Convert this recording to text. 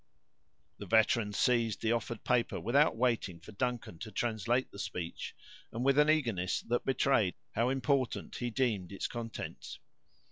The veteran seized the offered paper, without waiting for Duncan to translate the speech, and with an eagerness that betrayed how important he deemed its contents.